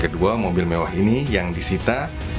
kedua mobil mewah ini yang dikawal oleh kejaksaan agung